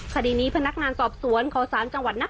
คดีนี้พนักงานสอบสวนขอสารจังหวัดนคร